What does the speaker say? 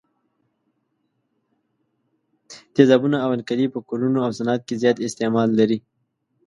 تیزابونه او القلي په کورونو او صنعت کې زیات استعمال لري.